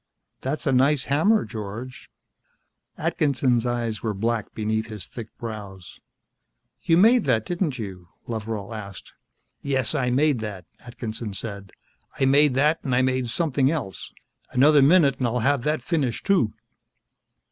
"That's a nice hammer, George." Atkinson's eyes were black beneath his thick brows. "You made that, didn't you?" Loveral asked. "Yes, I made that," Atkinson said. "I made that and I made something else. Another minute and I'll have that finished, too."